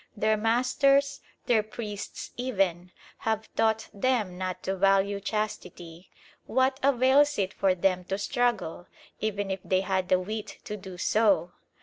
Their masters, their priests even, have taught them not to value chastity. What avails it for them to struggle, even if they had the wit to do so?